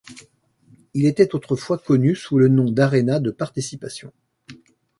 Il était autrefois connu sous le nom d'Aréna de Participation.